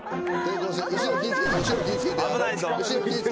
後ろ気ぃ付けて。